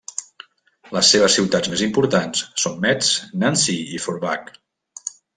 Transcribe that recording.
Les seves ciutats més importants són Metz, Nancy i Forbach.